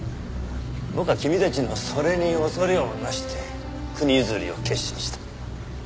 僕は君たちのそれに恐れをなして国譲りを決心した。